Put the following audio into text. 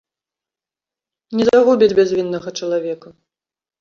Не загубяць бязвіннага чалавека!